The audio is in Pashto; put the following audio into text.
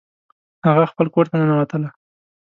هغه خپل کور ته ننوتله